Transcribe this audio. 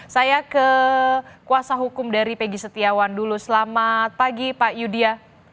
saya ke kuasa hukum dari pegi setiawan dulu selamat pagi pak yudya